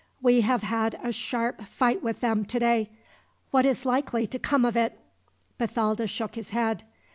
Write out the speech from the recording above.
We have had a sharp fight with them today. What is likely to come of it?" Bathalda shook his head.